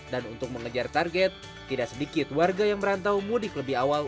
dan untuk mengejar target tidak sedikit warga yang merantau mudik lebih awal